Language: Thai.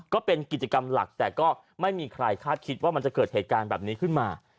ก็เป็นกิจกรรมหลักแต่ก็ไม่มีใครคาดคิดว่ามันจะเกิดเหตุการณ์แบบนี้ขึ้นมา